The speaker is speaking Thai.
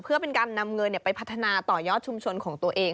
เพื่อเป็นการนำเงินไปพัฒนาต่อยอดชุมชนของตัวเอง